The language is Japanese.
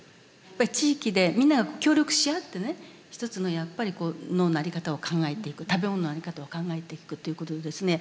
やっぱり地域でみんなが協力し合ってね一つのやっぱり農の在り方を考えていく食べ物の在り方を考えていくということでですね